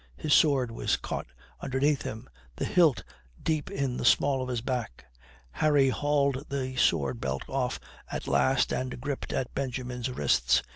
His sword was caught underneath him, the hilt deep in the small of his back. Harry hauled the sword belt off at last and gripped at Benjamin's wrists.